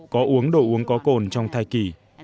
có uống đồ uống có cồn trong thai kỳ